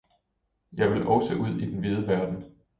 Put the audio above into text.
Jeg vil også ud i den vide verden!